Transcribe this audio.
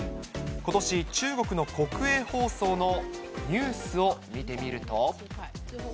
ことし、中国の国営放送のニュースを見てみると。